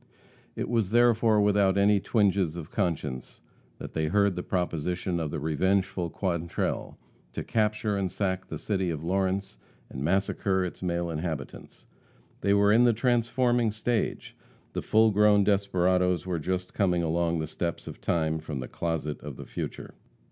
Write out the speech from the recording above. It was therefore without any twinges of conscience that they heard the proposition of the revengeful Quantrell, to capture and sack the city of Lawrence and massacre its male inhabitants. They were in the transforming stage, the full grown desperadoes were just coming along the steps of time from the closet of the future.